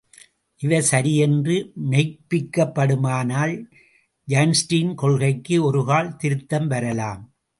இவை சரி என்று மெய்ப்பிக்கப்படுமானால், ஐன்ஸ்டீன் கொள்கைக்கு ஒருகால் திருத்தம் வரலாம்.